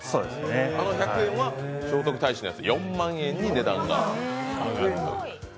あの百円は聖徳太子のやつ、４万円に値段が上がると。